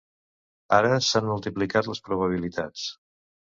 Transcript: Ara s'han multiplicat les probabilitats.